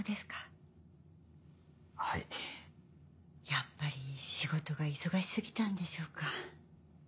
やっぱり仕事が忙し過ぎたんでしょうか？